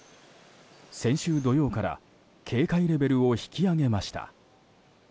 先週土曜から警戒レベルを引き上げました。